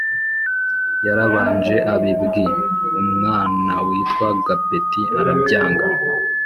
Yarabanje abibwiumwanawitwa Gapeti arabyanga